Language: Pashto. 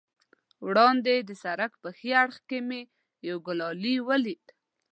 وړاندې د سړک په ښي اړخ کې مې یوه ګولایي ولیدل.